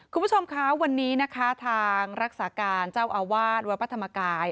คุณผู้ชมคะวันนี้นะคะทางรักษาการเจ้าอาวาสวัดพระธรรมกาย